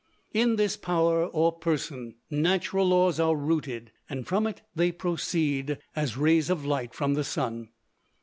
In this power or person, natural laws are rooted, and from it they proceed, as rays of light from the sun.